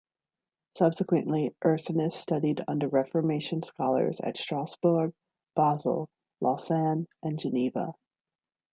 Subsequently, Ursinus studied under Reformation scholars at Strasbourg, Basel, Lausanne, and Geneva.